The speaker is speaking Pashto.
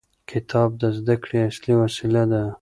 کتاب د زده کړې اصلي وسیله ده.